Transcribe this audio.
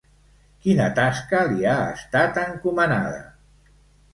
Quina tasca li ha estat encomanada?